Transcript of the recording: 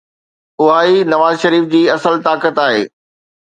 اها ئي نواز شريف جي اصل طاقت آهي.